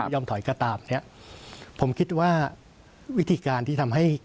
ยอมถอยก็ตามเนี้ยผมคิดว่าวิธีการที่ทำให้